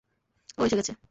ও এসে গেছে!